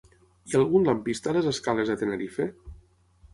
Hi ha algun lampista a les escales de Tenerife?